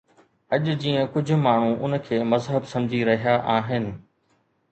اڄ جيئن ڪجهه ماڻهو ان کي مذهب سمجهي رهيا آهن